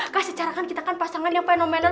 kah secara kan kita kan pasangan yang fenomenal